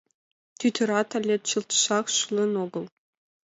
Тӱтырат але чылтшак шулен огыл.